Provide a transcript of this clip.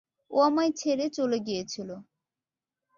ও আমায় ছেড়ে চলে গিয়েছিল।